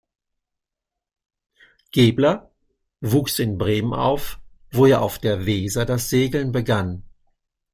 Gäbler wuchs in Bremen auf, wo er auf der Weser das Segeln begann.